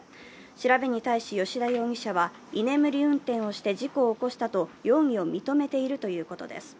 調べに対し吉田容疑者は居眠り運転をして事故を起こしたと容疑を認めているということです。